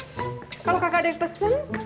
kalau kakak ada yang pesen